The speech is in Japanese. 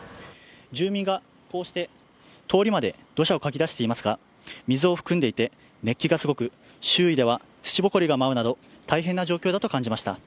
住民がこうして通りまで土砂をかき出していますが水を含んでいて熱気がすごく周囲では土ぼこりが舞うなど大変な状況だと感じました。